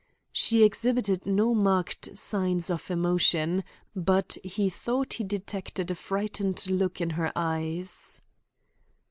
She exhibited no marked sign of emotion but he thought he detected a frightened look in her eyes.